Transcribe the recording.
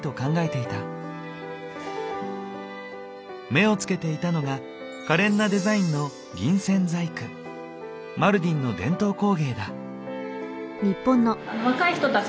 目をつけていたのがかれんなデザインのマルディンの伝統工芸だ。